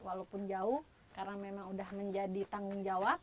walaupun jauh karena memang sudah menjadi tanggung jawab